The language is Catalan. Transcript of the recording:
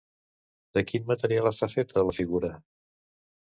De quin material està feta, la figura?